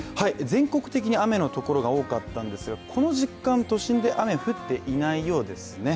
全国的に雨のところがおおかったんですが、この時間、都心で雨は降っていないようですね。